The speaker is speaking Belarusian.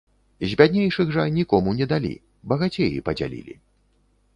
З бяднейшых жа нікому не далі, багацеі падзялілі.